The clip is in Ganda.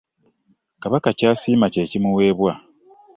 kabaka kyasiima kye kimuweebwa.